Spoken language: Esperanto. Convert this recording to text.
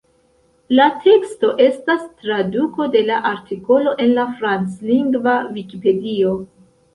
La teksto estas traduko de la artikolo en la franclingva Vikipedio.